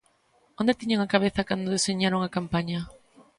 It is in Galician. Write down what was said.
¿Onde tiñan a cabeza cando deseñaron a campaña?